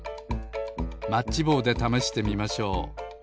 マッチぼうでためしてみましょう。